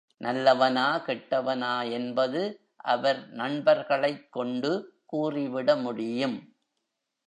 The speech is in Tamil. நல்லவனா கெட்டவனா என்பது அவர் நண்பர்களைக் கொண்டு கூறிவிட முடியும்.